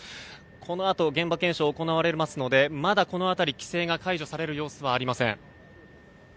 このあと現場検証が行われますのでまだこの辺り規制が解除される様子はありません。